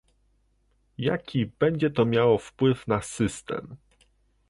Jaki będzie to miało wpływ na system?